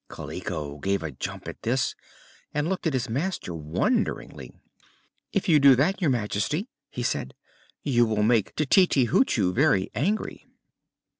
Kaliko gave a jump, at this, and looked at his master wonderingly. "If you do that, Your Majesty," he said, "you will make Tititi Hoochoo very angry."